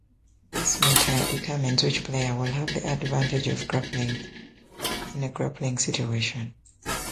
This meter determines which player will have the advantage in a grappling situation.